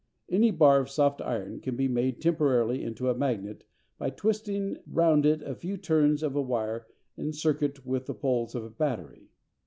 Any bar of soft iron can be made temporarily into a magnet by twisting round it a few turns of a wire in circuit with the poles of a battery.